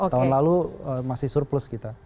tahun lalu masih surplus kita